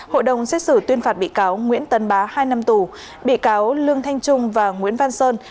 hội đồng xét xử tuyên phạt bị cáo nguyễn tấn bá hai năm tù bị cáo lương thanh trung và nguyễn văn sơn